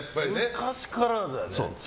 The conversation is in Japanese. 昔からだよね。